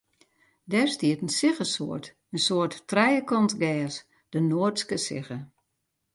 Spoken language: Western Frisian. Dêr stiet in siggesoart, in soart trijekant gers, de noardske sigge.